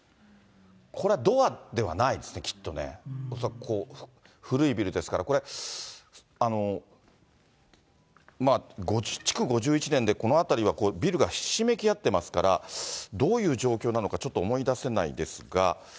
これはドアではないですね、きっとね、恐らく古いビルですから、これ、築５１年でこの辺りはビルがひしめき合ってますから、どういう状況なのか、ちょっと思い出せないですが。